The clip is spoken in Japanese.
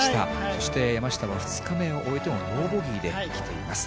そして、山下は２日目を終えても、ノーボギーできています。